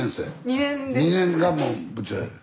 ２年がもう部長やる。